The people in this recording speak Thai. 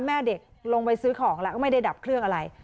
แม่เด็กลงไปซื้อของแล้วก็ไม่ได้ดับเครื่องอะไร